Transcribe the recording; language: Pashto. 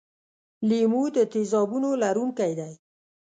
لیمو د تیزابونو لرونکی دی.